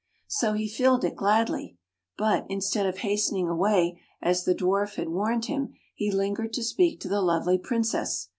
So he filled it, gladly. But, instead of hastening away, as the Dwarf had warned him, he lingered to speak to the lovely Prin cess.